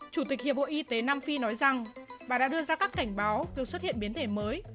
chủ tịch hiệp hội y tế nam phi nói rằng bà đã đưa ra các cảnh báo việc xuất hiện biến thể mới